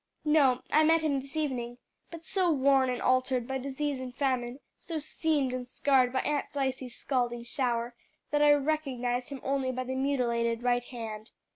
"No, I met him this evening, but so worn and altered by disease and famine, so seamed and scarred by Aunt Dicey's scalding shower, that I recognized him only by the mutilated right hand.